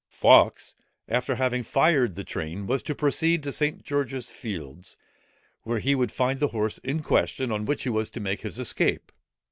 Fawkes, after having fired the train, was to proceed to St. George's Fields, where he would find the horse in question, on which he was to make his escape.